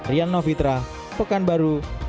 rian novitra pekanbaru riau